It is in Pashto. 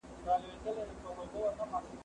زه بايد سبزیجات تيار کړم؟